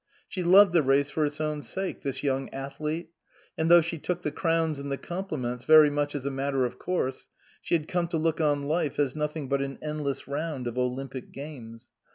She loved the race for its own sake, this young athlete ; and though she took the crowns and the compliments very much as a matter of course, she had come to look on life as nothing but an endless round of Olympic games.